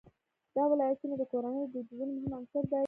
دا ولایتونه د کورنیو د دودونو مهم عنصر دی.